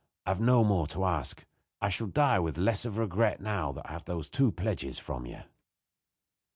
I have no more to ask. I shall die with less of regret now that I have those two pledges from you."